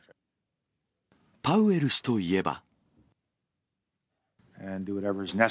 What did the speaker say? パウエル氏といえば。